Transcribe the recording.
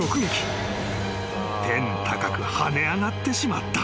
［天高くはね上がってしまった］